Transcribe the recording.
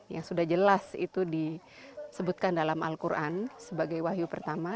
yang sudah jelas itu disebutkan dalam al quran sebagai wahyu pertama